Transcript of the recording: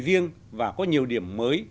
riêng và có nhiều điểm mới